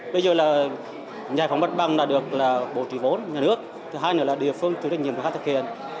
bây giờ là giải phóng mặt bằng được bổ trí vốn nhà nước thứ hai nữa là địa phương chủ đề nhiệm vụ khác thực hiện